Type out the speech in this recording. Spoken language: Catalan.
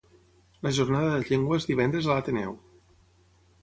La jornada de llengua és divendres a l'Ateneu.